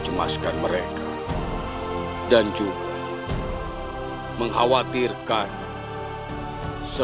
kemajuan kerajaan bocah licik ini